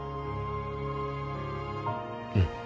うん